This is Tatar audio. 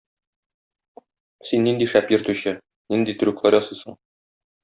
Син нинди шәп йөртүче, нинди трюклар ясыйсың.